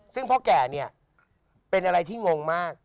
ซึ่งพ่อแก่เนี่ยเป็นอะไรที่งงมาก